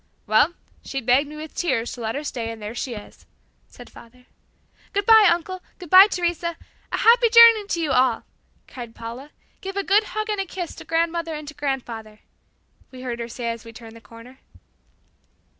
"Well, she begged me with tears to let her stay and there she is," said father. "Good bye, uncle; good bye, Teresa A happy journey to you all," cried Paula. "Give a good hug and a kiss to grandmother and to grandfather," we heard her say as we turned the corner.